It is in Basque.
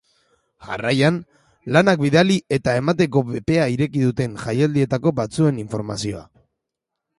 Jarraian, lanak bidali eta izena emateko epea ireki duten jaialdietako batzuen informazioa.